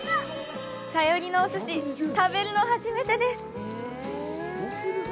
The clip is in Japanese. サヨリのおすし食べるの初めてです。